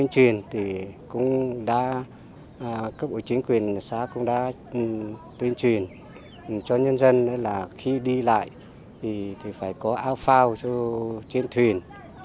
chính quyền xã cũng đã tuyên truyền cho nhân dân là khi đi lại thì phải có áo phao trên thuyền